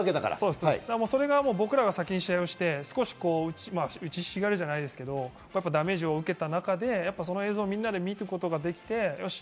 僕らが先に試合をして、少し打ちひしがれるというか、ダメージを受けた中でその映像をみんなで見ることができて、よし！